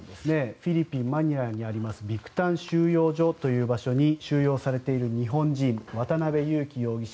フィリピン・マニラにあるビクタン収容所に収容されている日本人渡邉優樹容疑者